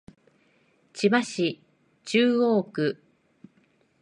千葉市中央区